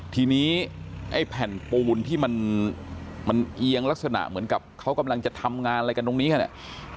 ทีนี้ไอ้แผ่นปูนที่มันเอียงลักษณะเหมือนกับเขากำลังจะทำงานอะไรกันตรงนี้กันเนี่ย